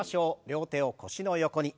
両手を腰の横に。